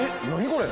これ。